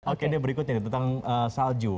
oke berikutnya tentang salju